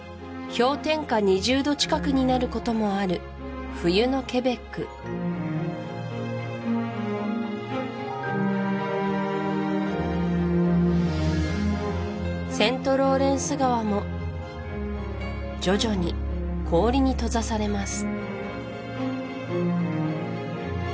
氷点下２０度近くになることもある冬のケベックセントローレンス川も徐々に氷に閉ざされます